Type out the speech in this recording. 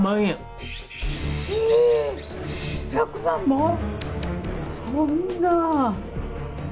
え１００万も⁉そんな。